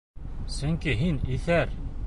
Сөнки һин... иҫәр!